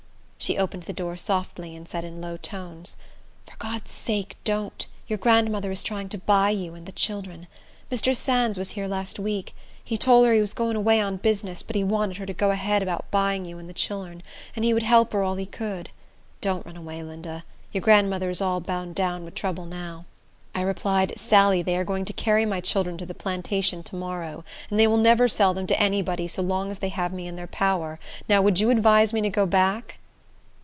She opened the door softly, and said in low tones, "For God's sake, don't. Your grandmother is trying to buy you and de chillern. Mr. Sands was here last week. He tole her he was going away on business, but he wanted her to go ahead about buying you and de chillern, and he would help her all he could. Don't run away, Linda. Your grandmother is all bowed down wid trouble now." I replied, "Sally, they are going to carry my children to the plantation to morrow; and they will never sell them to any body so long as they have me in their power. Now, would you advise me to go back?"